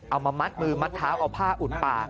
เอามามัดมือมัดเท้าเอาผ้าอุ่นปาก